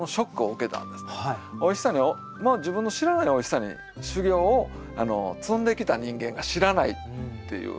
おいしさに自分の知らないおいしさに修業を積んできた人間が知らないっていう。